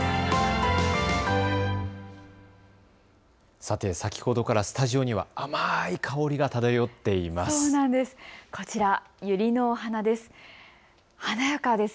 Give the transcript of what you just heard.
さて先ほどからスタジオには甘い香りが漂っています。